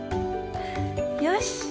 よし！